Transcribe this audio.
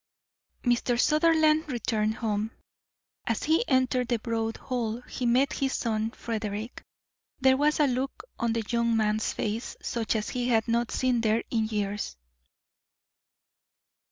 Mr. Sutherland returned home. As he entered the broad hall he met his son, Frederick. There was a look on the young man's face such as he had not seen there in years.